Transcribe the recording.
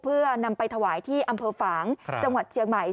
เพื่อนำไปถวายที่อำเภอฝางจังหวัดเชียงใหม่